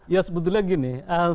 ya sebetulnya begini